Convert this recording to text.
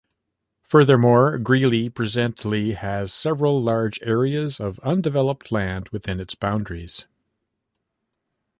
Furthermore, Greely presently has several large areas of undeveloped land within its boundaries.